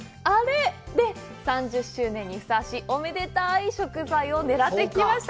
あれで、３０周年にふさわしいおめでたい食材を狙ってきました。